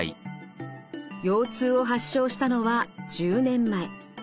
腰痛を発症したのは１０年前。